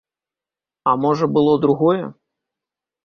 А можа, было другое?